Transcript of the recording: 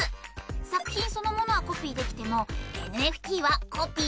作品そのものはコピーできてもＮＦＴはコピーできないんです！